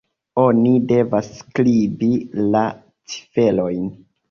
Oni devas skribi la ciferojn